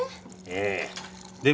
ええ。